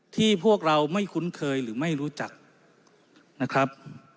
พวกเราไม่คุ้นเคยหรือไม่รู้จักนะครับ